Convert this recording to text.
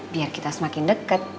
biar kita semakin deket